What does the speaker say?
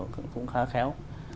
cũng khá khéo